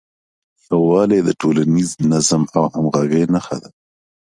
یووالی د ټولنیز نظم او همغږۍ نښه ده.